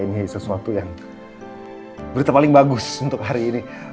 ini sesuatu yang berita paling bagus untuk hari ini